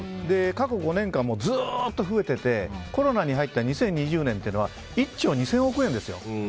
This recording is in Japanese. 過去５年間ずっと増えててコロナに入った２０２０年というのは売り上げが１兆２０００億円ですよ。